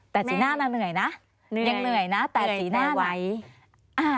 แต่สีหน้าน่าเหนื่อยนะยังเหนื่อยนะ